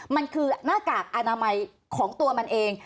มันคือหน้ากากอนามัยของตัวมันเอง